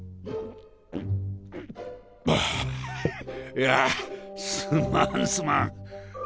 いやァすまんすまん。